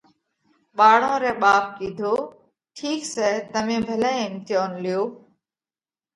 ٻاۯون رئہ ٻاپ ڪِيڌو: ٺِيڪ سئہ تمي ڀلئہ اِمتيونَ ليو۔